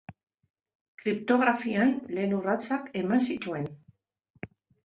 Kriptografian lehen urratsak eman zituen.